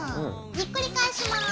ひっくり返します。